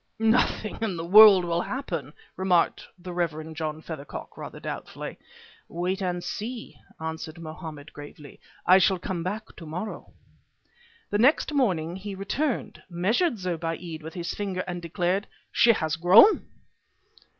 "Nothing in the world will happen!" remarked the Rev. John Feathercock rather doubtfully. "Wait and see," answered Mohammed gravely. "I shall come back to morrow!" The next morning he returned, measured Zobéide with his fingers and declared: "She has grown!"